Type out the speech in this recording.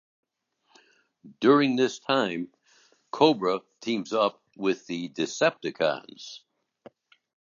During this time, Cobra teams up with the Decepticons.